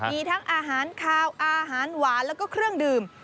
มีทั้งอาหารคาวอาหารหวานแล้วก็เครื่องดื่ม